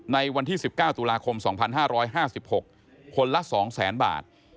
ในวันที่๑๙ตุลาคม๒๕๕๖คนละ๒๐๐๐๐บาท